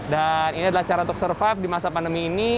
dan ini adalah cara untuk survive di masa pandemi ini